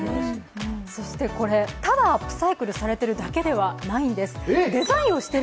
そして、ただアップサイクルされているだけではないんです。